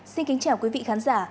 xin kính chào quý vị khán giả